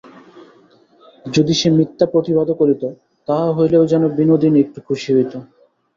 যদি সে মিথ্যা প্রতিবাদও করিত, তাহা হইলেও যেন বিনোদিনী একটু খুশি হইত।